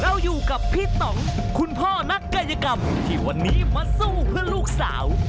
เราอยู่กับพี่ต่องคุณพ่อนักกายกรรมที่วันนี้มาสู้เพื่อลูกสาว